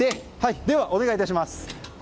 では、お願いします。